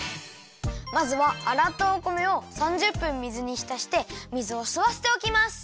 まずはあらったお米を３０分水にひたして水をすわせておきます。